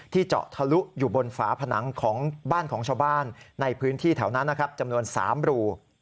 เจาะทะลุอยู่บนฝาผนังของบ้านของชาวบ้านในพื้นที่แถวนั้นนะครับจำนวน๓รู